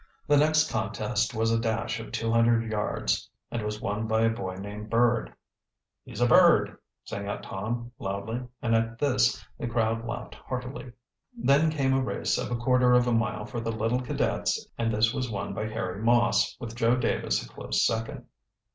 The next contest was a dash of two hundred yards and was won by a boy named Bird. "He's a bird!" sang out Tom loudly, and at this the crowd laughed heartily. Then came a race of a quarter of a mile for the little cadets and this was won by Harry Moss, with Joe Davis a close second.